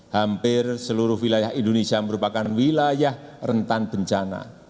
hampir seluruh wilayah indonesia merupakan wilayah rentan bencana